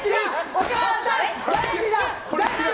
お母さん大好き！